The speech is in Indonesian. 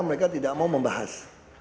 mereka tidak mau membahas